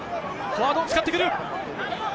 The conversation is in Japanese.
フォワードを使ってくる。